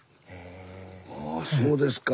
あそうですか。